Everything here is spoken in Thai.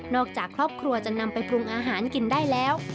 จากครอบครัวจะนำไปปรุงอาหารกินได้แล้ว